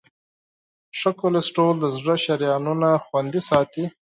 ښه کولیسټرول د زړه شریانونه خوندي ساتي.